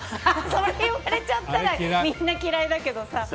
それ言われちゃったらみんな嫌いだけどさ。